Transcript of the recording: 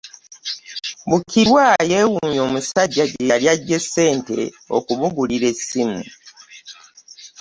Bukirwa yeewuunya omusajja gye yali aggye ssente okumugulira essimu.